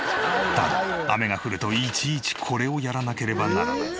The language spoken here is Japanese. ただ雨が降るといちいちこれをやらなければならない。